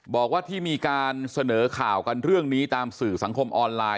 บอกว่าที่มีการเสนอข่าวกันเรื่องนี้ตามสื่อสังคมออนไลน์